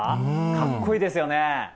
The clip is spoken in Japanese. かっこいいですよね。